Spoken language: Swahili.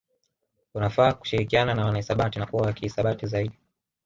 Unafaa kushirikiana na wanahisabati na kuwa wa kihisabati zaidi